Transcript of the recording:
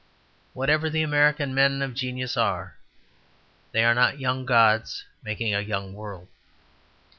Whatever the American men of genius are, they are not young gods making a young world.